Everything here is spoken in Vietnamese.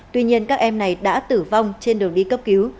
tuy nhiên các em này đã tử vong trên đường đi cấp cứu